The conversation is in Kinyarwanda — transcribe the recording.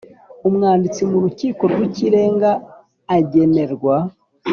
umwanditsi mu rukiko rw ikirenga agenerwa